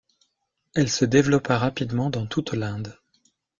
Elle se développa rapidement dans toute l’Inde.